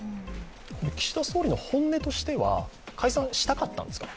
岸田総理の本音としては、解散したかったんですか？